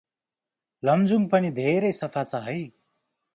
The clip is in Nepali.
लमजुङ पनि धेरै सफा छ है!